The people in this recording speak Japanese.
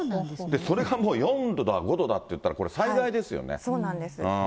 それがもう４度だ、５度だっていそうなんです。